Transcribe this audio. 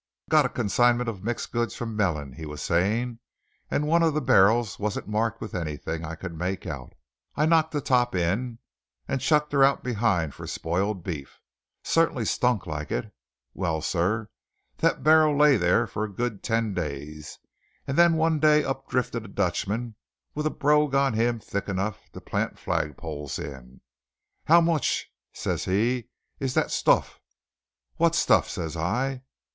"Got a consignment of mixed goods from Mellin," he was saying, "and one of the barrels wasn't marked with anything I could make out. I knocked the top in, and chucked her out behind for spoiled beef. Certainly stunk like it. Well, sir, that barrel lay there for a good ten days; and then one day up drifted a Dutchman with a brogue on him thick enough to plant flag poles in. 'How mooch,' says he 'is dot stoof?' 'What stuff?' says I.